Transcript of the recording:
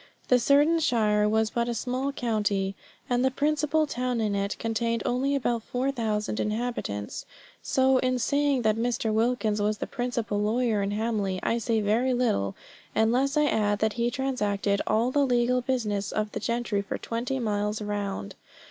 The certain shire was but a small county, and the principal town in it contained only about four thousand inhabitants; so in saying that Mr. Wilkins was the principal lawyer in Hamley, I say very little, unless I add that he transacted all the legal business of the gentry for twenty miles round.